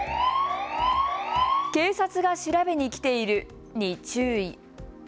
警察が調べに来ているに注意。